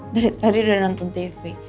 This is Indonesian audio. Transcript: dari tadi udah nonton tv